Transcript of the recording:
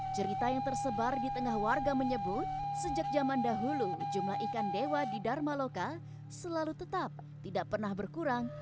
cerita yang tersebar di tengah warga menyebut sejak zaman dahulu jumlah ikan dewa di dharma loka selalu tetap tidak pernah berkurang